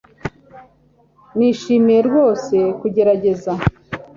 Nishimiye rwose kugerageza